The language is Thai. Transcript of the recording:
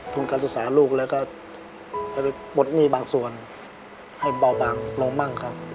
การศึกษาลูกแล้วก็จะไปปลดหนี้บางส่วนให้เบาบางลงมั่งครับ